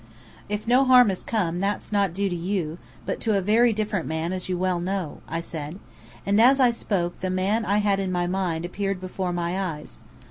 "If no harm has come, that's not due to you, but to a very different man, as you well know," I said. And as I spoke, the man I had in my mind appeared before my eyes.